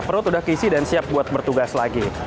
perut udah kisi dan siap buat bertugas lagi